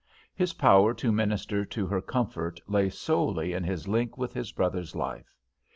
His power to minister to her comfort lay solely in his link with his brother's life.